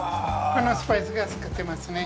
このスパイスを使ってますね。